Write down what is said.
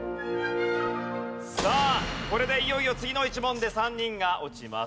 さあこれでいよいよ次の１問で３人が落ちます。